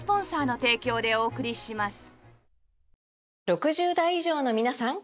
６０代以上のみなさん！